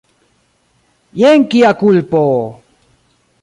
Jen kia kulpo!